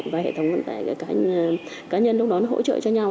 và hệ thống vận tải cá nhân lúc đó nó hỗ trợ cho nhau